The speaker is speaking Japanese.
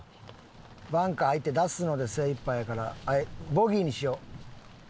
バンカー入って出すので精いっぱいやからはいボギーにしよう。